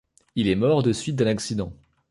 Il est mort des suites d'un accident.